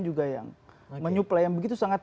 juga yang menyuplai yang begitu sangat